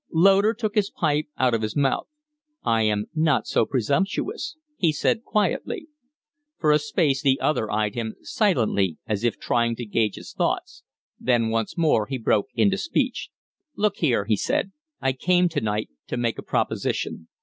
Loder took his pipe out of his mouth. "I am not so presumptuous," he said, quietly. For a space the other eyed him silently, as if trying to gauge his thoughts; then once more he broke into speech. "Look here," he said. "I came to night to make a proposition.